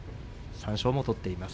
三賞も取っています。